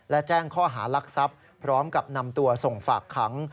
และแจ้งข้อหารักทรัพย์พร้อมกับนำตัวส่งฝากขัง